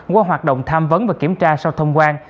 qua hoạt động tham vấn và kiểm tra sau thông quan